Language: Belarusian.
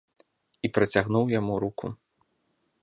І працягнуў яму руку.